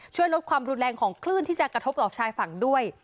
ช่วยลดความรุนแรงของคลื่นที่จะกระทบกับชายฝั่งด้วย